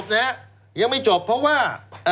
แต่ยังไม่จบเพราะว่า